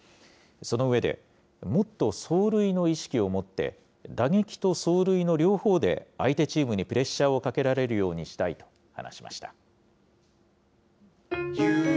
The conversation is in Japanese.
その上で、もっと走塁の意識を持って、打撃と走塁の両方で相手チームにプレッシャーをかけられるようにしたいと話しました。